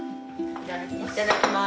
いただきます。